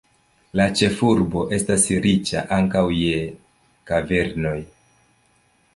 La ĉefurba estas riĉa ankaŭ je kavernoj.